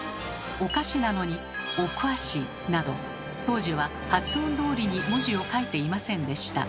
「おかし」なのに「おくゎし」など当時は発音どおりに文字を書いていませんでした。